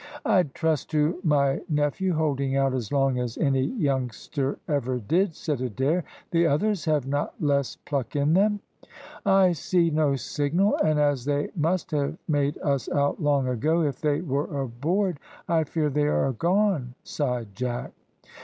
"I'd trust to my nephew holding out as long as any youngster ever did," said Adair. "The others have not less pluck in them." "I see no signal, and as they must have made us out long ago if they were aboard I fear they are gone," sighed Jack.